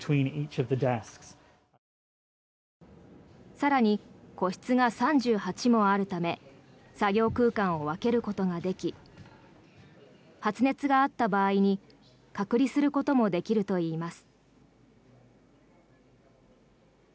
更に、個室が３８もあるため作業空間を分けることができ発熱があった場合に隔離することもできるといいます。